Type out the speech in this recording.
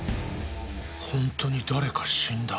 本当に誰か死んだ。